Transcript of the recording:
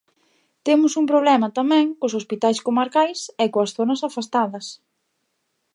Temos un problema tamén cos hospitais comarcais e coas zonas afastadas.